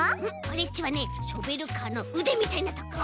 オレっちはねショベルカーのうでみたいなとこ。